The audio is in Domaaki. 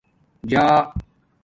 جآ